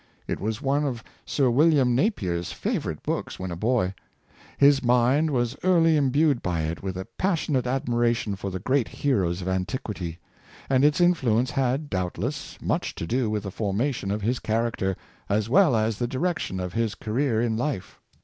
It was one of Sir William Napier's favorite books when a boy. His mind was early imbued by it with a passiqn ate admiration for the great heroes of antiquity; and its influence had, doubtless, much to do with the forma tion of his character, as well as the direction of his career in life.